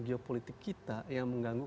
geopolitik kita yang mengganggu